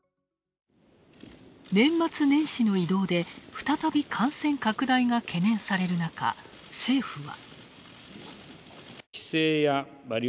年末年始の移動で、再び感染拡大が懸念される中、政府は。